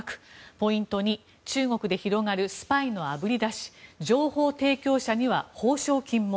ポイント２中国で広がるスパイのあぶり出し情報提供者には報奨金も。